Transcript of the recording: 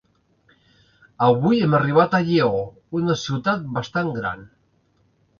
Avui hem arribat a Lleó, una ciutat bastant gran.